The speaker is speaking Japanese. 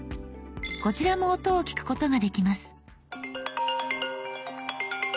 こちらも音を聞くことができます。」）